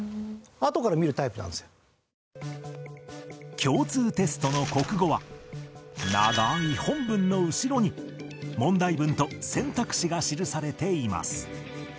共通テストの国語は長い本文の後ろに問題文と選択肢が記されています